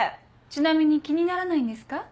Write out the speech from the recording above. ちなみに気にならないんですか？